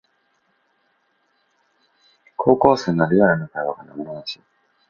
高校生のリアルな会話が生々しい